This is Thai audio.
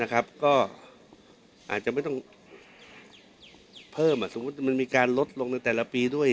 ก็อาจจะไม่ต้องเพิ่มสมมุติมันมีการลดลงในแต่ละปีด้วย